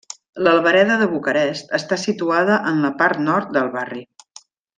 L'Albereda de Bucarest està situada en la part nord del barri.